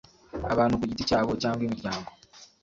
abantu ku giti cyabo cyangwa imiryango